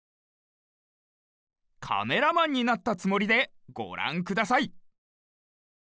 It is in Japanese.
カメラマンになったつもりでごらんください！